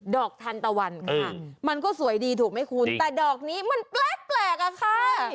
ดอกทันตะวันค่ะมันก็สวยดีถูกไหมคุณแต่ดอกนี้มันแปลกอะค่ะ